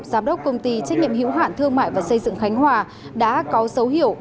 giám đốc công ty trách nhiệm hiểu hạn thương mại và xây dựng khánh hòa đã có dấu hiệu